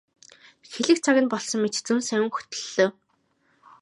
Хэлэх цаг нь болсон мэт зөн совин хөтөллөө.